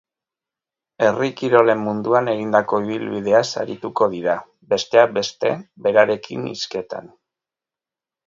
Herri kirolen munduan egindako ibilbideaz arituko dira, besteak beste, berarekin hizketan.